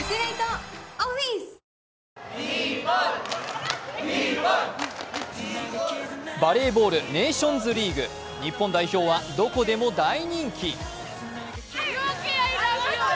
夏にピッタリバレーボールネーションズリーグ日本代表はどこでも大人気。